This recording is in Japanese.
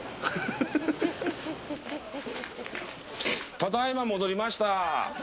ただいま戻りました。